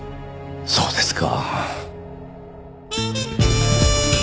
そうですか。